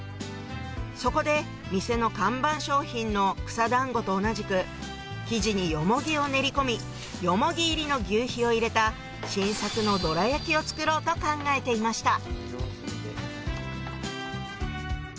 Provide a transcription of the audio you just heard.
そこで店の看板商品の草だんごと同じく生地によもぎを練り込みよもぎ入りの求肥を入れた新作のどら焼きを作ろうと考えていました